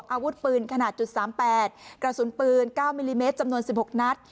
อาวุธปืนขนาด๓๘กระสุนปืน๙มิลลิเมตรจำนวน๑๖นัด